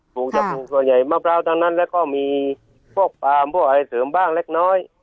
ลูกจะปลูกส่วนใหญ่มะพร้าวทั้งนั้นแล้วก็มีพวกปาล์มพวกอะไรเสริมบ้างเล็กน้อย